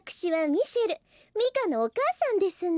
ミカのおかあさんですの。